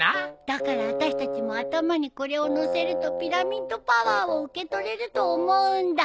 だからあたしたちも頭にこれを載せるとピラミッドパワーを受け取れると思うんだ。